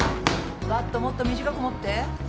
バットもっと短く持って！